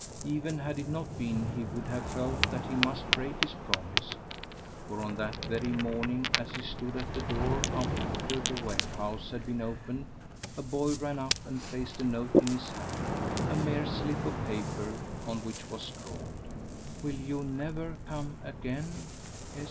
Even had it not been, he would have felt that he must break his promise, for on that very morning as he stood at the door after the warehouse had been opened, a boy ran up and placed a note in his hand a mere slip of paper, on which was scrawled _"Will you never come again?